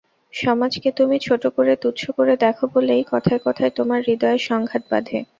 সমাজকে তুমি ছোটো করে তুচ্ছ করে দেখ বলেই কথায় কথায় তোমার হৃদয়ের সংঘাত বাধে।